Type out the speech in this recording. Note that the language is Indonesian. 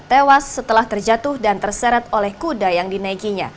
tewas setelah terjatuh dan terseret oleh kuda yang dinaikinya